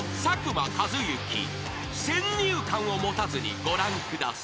［先入観を持たずにご覧ください］